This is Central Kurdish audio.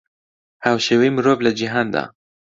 هاوشێوەی مرۆڤ لە جیهاندا